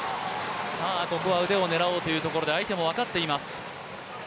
ここは腕を狙おうというところで相手も分かっています。